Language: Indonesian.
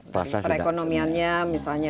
dari perekonomiannya misalnya